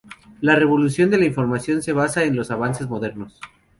La revolución de la información se basa en los avances modernos.